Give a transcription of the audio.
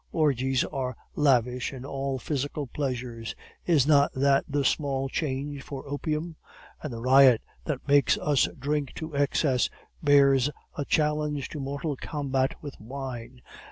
Orgies are lavish in all physical pleasures; is not that the small change for opium? And the riot that makes us drink to excess bears a challenge to mortal combat with wine.